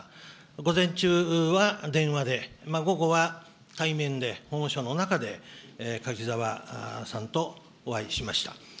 午前中は電話で、午後は対面で、法務省の中で柿沢さんとお会いしました。